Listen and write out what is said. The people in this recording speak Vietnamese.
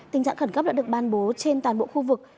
tình trạng khẩn cấp đã được ban bố trên toàn bộ khu vực